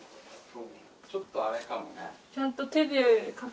ちょっとあれかもね。